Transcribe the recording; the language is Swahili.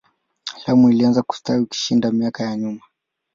Lamu ilianza kustawi kushinda miaka ya nyuma.